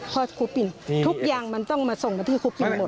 ครูปิ่นทุกอย่างมันต้องมาส่งกันที่ครูปินหมด